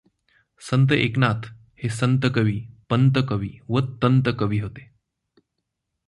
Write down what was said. संत एकनाथ हे संतकवी, पंतकवी व तंतकवी होते.